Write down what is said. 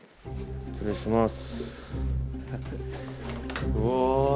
失礼します。